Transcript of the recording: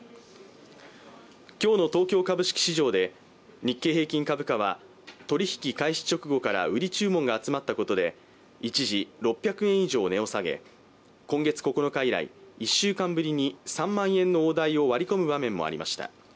今日の東京株式市場で日経平均株価は取り引き開始直後から売り注文が集まったことで、一時６００円以上値を下げ、今月９日以来１週間ぶりに３万円の大台を割り込む場面もありました。